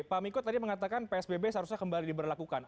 pak miko tadi mengatakan psbb seharusnya kembali diberlakukan